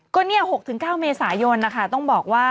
ก็เนี่ย๖๙เมษายนนะคะต้องบอกว่า